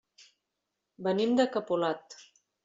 Venim de Capolat.